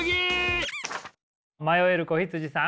迷える子羊さん。